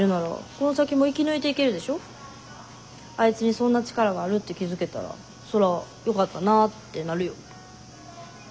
あいつにそんな力があるって気付けたらそりゃ「よかったなぁ」ってなるよ。